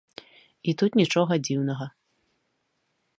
І тут нічога дзіўнага.